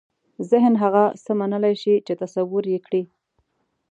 ذهن هغه څه منلای شي چې تصور یې کړي.